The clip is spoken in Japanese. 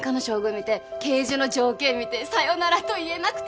見て「刑事の条件」見て「さよならと言えなくて」